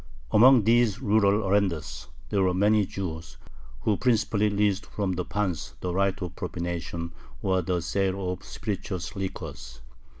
Among these rural arendars there were many Jews, who principally leased from the pans the right of "propination," or the sale of spirituous liquors.